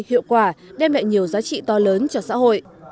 hiệu quả đem lại nhiều giá trị to lớn cho xã hội